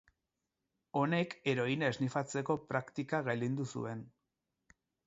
Honek heroina esnifatzeko praktika gailendu zuen.